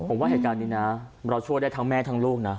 ผมว่าเหตุการณ์นี้นะเราช่วยได้ทั้งแม่ทั้งลูกนะ